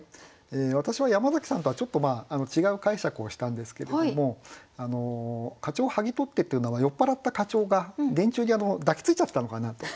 私は山崎さんとはちょっと違う解釈をしたんですけれども「課長を剥ぎ取って」というのは酔っ払った課長が電柱に抱きついちゃったのかなと。